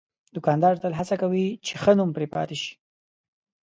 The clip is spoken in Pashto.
دوکاندار تل هڅه کوي چې ښه نوم پرې پاتې شي.